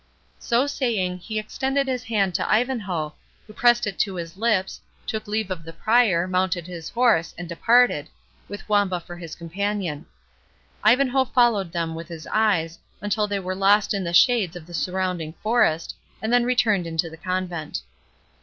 So saying, he extended his hand to Ivanhoe, who pressed it to his lips, took leave of the Prior, mounted his horse, and departed, with Wamba for his companion. Ivanhoe followed them with his eyes, until they were lost in the shades of the surrounding forest, and then returned into the convent.